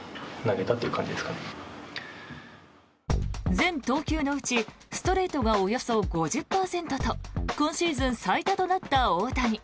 全投球のうちストレートがおよそ５０％と今シーズン最多となった大谷。